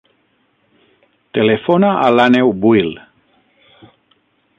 Telefona a l'Àneu Buil.